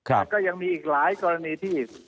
แล้วก็ยังมีอีกหลายกรณีที่